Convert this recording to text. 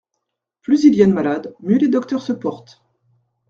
Plus il y a de malades, mieux les docteurs se portent.